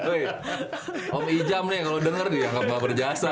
wey om ijam nih yang kalau denger nih yang ngga berjasa